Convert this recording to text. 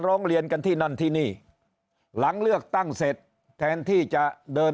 ร้องเรียนกันที่นั่นที่นี่หลังเลือกตั้งเสร็จแทนที่จะเดิน